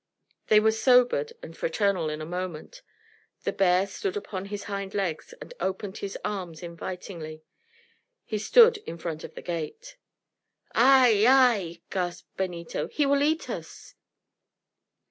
They were sobered and fraternal in a moment. The bear stood upon his hind legs and opened his arms invitingly. He stood in front of the gate. "Ay! ay!" gasped Benito. "He will eat us!"